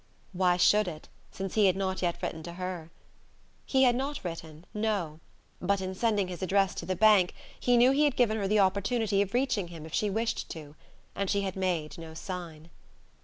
Why should it, since he had not yet written to her? He had not written, no: but in sending his address to the bank he knew he had given her the opportunity of reaching him if she wished to. And she had made no sign.